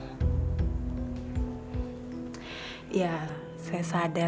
ya bu saya sadar saya bisa begini dan bisa tinggal di sini